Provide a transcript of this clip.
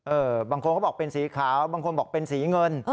บางคนเขาบอกเป็นสีขาวบางคนบอกเป็นสีเงิน